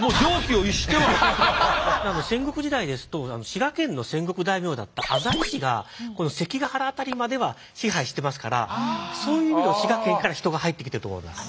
戦国時代ですと滋賀県の戦国大名だった浅井氏が関ケ原辺りまでは支配してますからそういう意味でも滋賀県から人が入ってきていると思います。